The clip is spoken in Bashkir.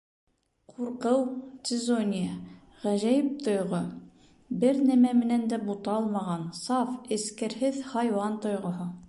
Ҡурҡыу, Цезония, ғәжәйеп тойғо; бер нимә менән дә буталмаған, саф, эскерһеҙ, хайуан тойғоһо!